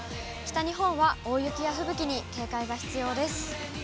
北日本は大雪や吹雪に警戒が必要です。